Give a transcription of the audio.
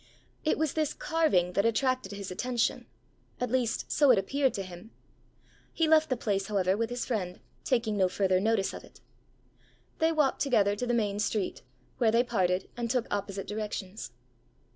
It was this carving that attracted his attention; at least so it appeared to him. He left the place, however, with his friend, taking no further notice of it. They walked together to the main street, where they parted and took opposite directions.